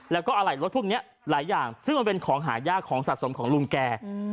แล้วก็อะไหล่รถพวกนี้หลายอย่างซึ่งมันเป็นของหายากของสะสมของลุงแก